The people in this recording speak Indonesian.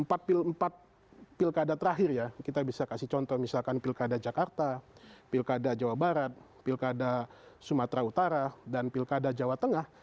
jadi itu empat pilkada terakhir ya kita bisa kasih contoh misalkan pilkada jakarta pilkada jawa barat pilkada sumatera utara dan pilkada jawa tengah